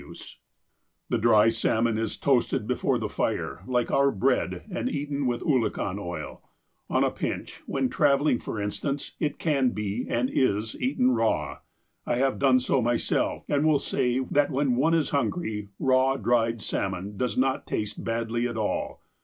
YO THE APOSTLE OF ALASKA The dry salmon is toasted before the fire, like our bread, and eaten with oolakan oil. On a pinch, when travelling for instance, it can be and is eaten raw. I have done so myself, and will say that when one is hungry, raw, dried salmon does not taste badly at all.